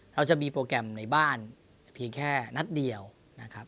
เราจะมีโปรแกรมในบ้านเพียงแค่นัดเดียวนะครับ